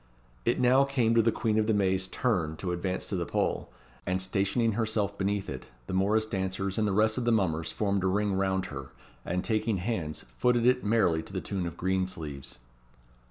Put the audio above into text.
It now came to the Queen of the May's turn to advance to the pole, and stationing herself beneath it, the morrice dancers and the rest of the mummers formed a ring round her, and, taking hands, footed it merrily to the tune of "Green Sleeves."